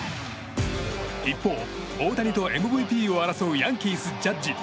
一方、大谷とＭＶＰを争うヤンキース、ジャッジ。